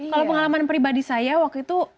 kalau pengalaman pribadi saya waktu itu